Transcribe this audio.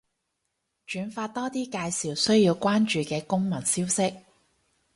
轉發多啲介紹需要關注嘅公民消息